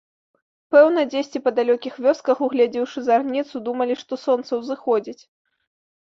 Пэўна, дзесьці па далёкіх вёсках, угледзеўшы зарніцу, думалі, што сонца ўзыходзіць.